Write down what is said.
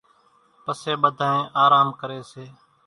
پسي ٻڌانئين آرام ڪري سي